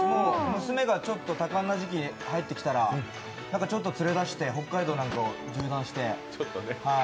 娘が多感な時期に入ってきたら、ちょっと連れ出して北海道なんかを縦断して。